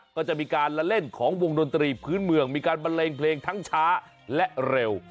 ก็จะมีการละเล่นของวงดนตรีพื้นเมืองมีการบันเลงเพลงทั้งช้าและเร็ว